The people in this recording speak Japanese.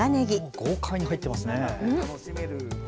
豪快に入ってますね。